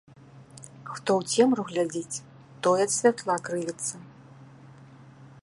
Хто ў цемру глядзіць, той ад святла крывіцца